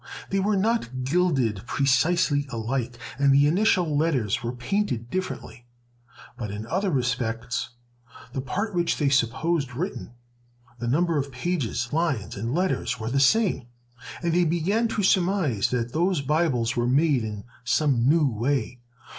They were not gilded precisely alike, and the initial letters were painted differently. But in other respects, the part which they supposed written, the number of pages, lines, and letters were the same; and they began to surmise that those Bibles were made in some new way.